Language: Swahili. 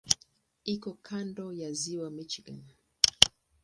Iko kando ya Ziwa Michigan.